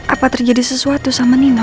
apa terjadi sesuatu sama nina